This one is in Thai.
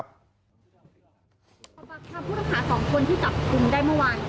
ปากคำผู้ต้องหา๒คนที่จับกลุ่มได้เมื่อวาน